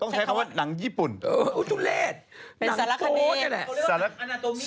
ต้องใช้คำว่านางญี่ปุ่นลดนางจิปส์